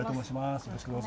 よろしくどうぞ。